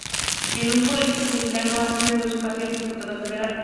Es un político mexicano, ha sido en dos ocasiones Diputado Federal.